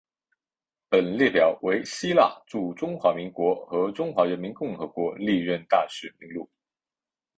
本列表为希腊驻中华民国和中华人民共和国历任大使名录。